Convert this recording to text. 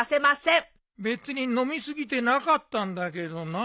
別に飲み過ぎてなかったんだけどな。